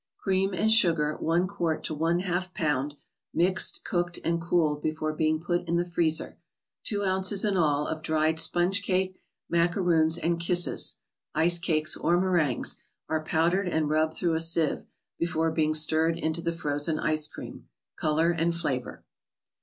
Cream and sugar, one quart to one half pound, mixed, cooked, and cooled be¬ fore being put in the freezer. Two ounces in all, of dried sponge cake, macaroons and kisses (ice cakes, or merin¬ gues), are powdered and rubbed through a sieve, before being stirred into the frozen ice cream. Color and flavor.